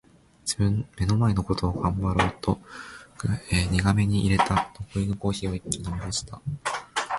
「目の前のことを頑張ろう」苦めに淹れた残りのコーヒーを一気に飲み干した。